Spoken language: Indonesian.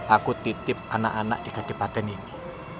aku titip anak anak di kabupaten ini